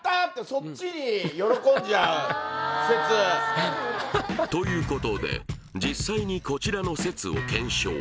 そっちに喜んじゃう説ということで実際にこちらの説を検証